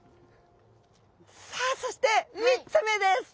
さあそして３つ目です！